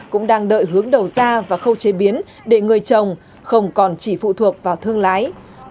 cũng đang đợi hướng đầu ra và khâu chế biến để người trồng không còn chỉ phụ thuộc vào thương lái